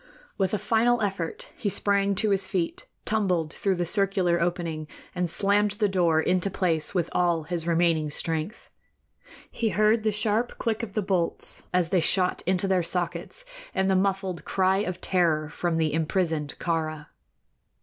With a final effort he sprang to his feet, tumbled through the circular opening, and slammed the door into place with all his remaining strength. He heard the sharp click of the bolts as they shot into their sockets, and the muffled cry of terror from the imprisoned Kāra.